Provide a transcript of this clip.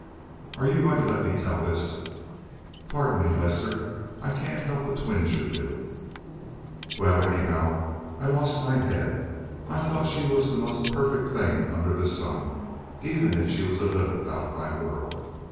"Are you going to let me tell this?" "Pardon me, Lester. I can't help a twinge or two." "Well, anyhow, I lost my head. I thought she was the most perfect thing under the sun, even if she was a little out of my world.